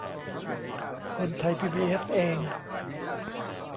คนไทยพีบีเอสเอง